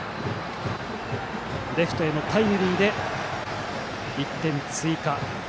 レフトへのタイムリーで１点追加。